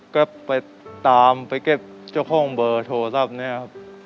ก็ไปตามไปเก็บเจ้าของเบอร์โทรศัพท์นี้ครับ